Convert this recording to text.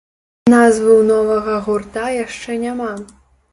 Назвы ў новага гурта яшчэ няма.